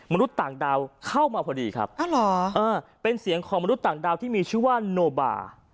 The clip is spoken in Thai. มนุษย์ต่างดาวเข้ามาพอดีครับเป็นเสียงของมนุษย์ต่างดาวที่มีชื่อว่าโนบา